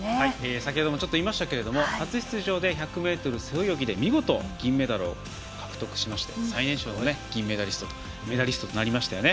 先ほどもちょっと言いましたが初出場で１００ｍ背泳ぎで見事銀メダルを獲得しまして最年少のメダリストとなりましたよね。